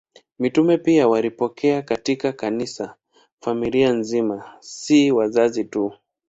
Mitume pia walipokea katika Kanisa familia nzima, si wazazi tu.